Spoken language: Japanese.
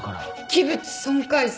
器物損壊罪。